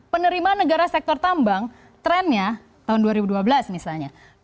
penerimaan negara sektor tambang trennya tahun dua ribu dua belas misalnya